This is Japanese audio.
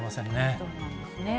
そうなんですね。